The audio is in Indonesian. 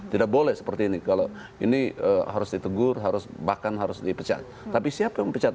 tidak boleh seperti ini kalau ini harus ditegur harus bahkan harus dipecat tapi siapa yang pecat